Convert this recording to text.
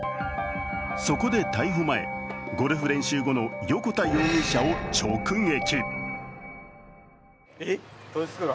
そこで逮捕前、ゴルフ練習後の横田容疑者を直撃。